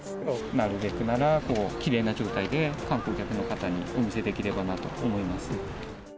なるべくなら、きれいな状態で観光客の方にお店できればなと思い